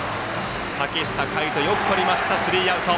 竹下海斗、よくとりましたスリーアウト。